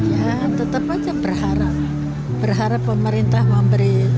ya tetap aja berharap berharap pemerintah memberi